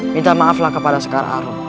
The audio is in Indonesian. minta maaflah kepada sekar arung